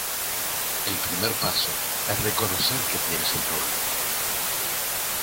El primer paso es reconocer que tienes un problema.